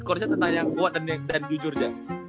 kalo misalnya tanya yang kuat dan jujur zak